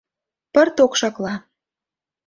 Пырт окшакла.